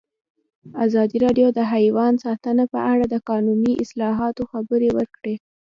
ازادي راډیو د حیوان ساتنه په اړه د قانوني اصلاحاتو خبر ورکړی.